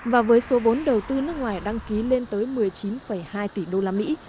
và với số vốn đầu tư nước ngoài đăng ký lên tới một mươi chín hai tỷ đô la mỹ